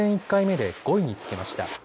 １回目で５位につけました。